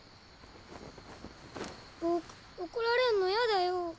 僕怒られるのやだよ。